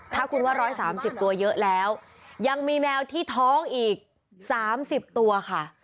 ถ้าคุณว่า๑๓๐ตัวเยอะแล้วยังมีแมวที่ท้องอีก๓๐ตัวค่ะ